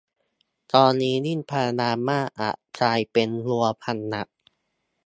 ตอนนี้ยิ่งพยายามมากอาจกลายเป็นวัวพันหลัก